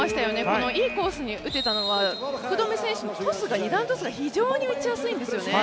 このいいコースに打てたのは福留選手のトス、二段トスが非常に打ちやすいんですよね。